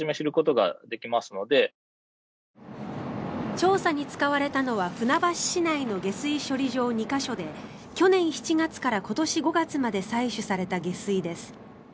調査に使われたのは船橋市内の下水処理場２か所で去年７月から今年５月まで採取された下水です。